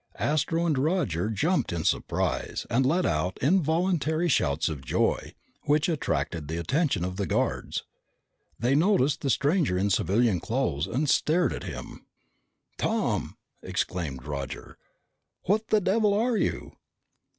Astro and Roger jumped in surprise and let out involuntary shouts of joy, which attracted the attention of the guards. They noticed the stranger in civilian clothes and stared at him. "Tom!" exclaimed Roger. "What the devil are you